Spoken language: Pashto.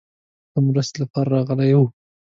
د مرستې لپاره راغلي ول.